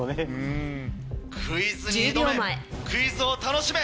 クイズに挑めクイズを楽しめ。